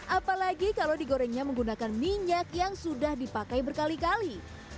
apalagi kalau digorengnya menggunakan minyak yang sudah dipakai berkali kali